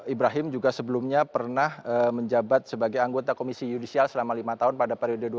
ibrahim juga sebelumnya pernah menjabat sebagai anggota komisi judisial selama lima tahun pada periode dua ribu sepuluh hingga dua ribu lima belas